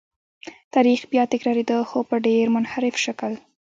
تاریخ بیا تکرارېده خو په ډېر منحرف شکل.